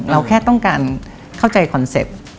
เราแค่ต้องการเข้าใจคอนเซ็ปต์